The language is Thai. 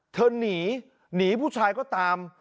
เธอนีผู้ชายก็ตาม